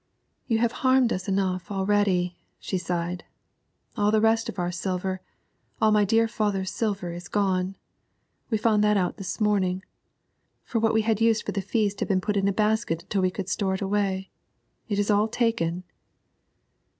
'You have harmed us enough already,' she sighed; 'all the rest of our silver, all my dear father's silver is gone. We found that out this morning, for what we had used for the feast had been put in a basket until we could store it away; it is all taken.'